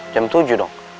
jam tujuh dong